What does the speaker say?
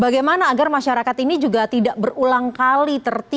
bagaimana agar masyarakat ini juga tidak berulang kali terjadi